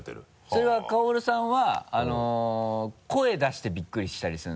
それは薫さんは声出してビックリしたりするんですか？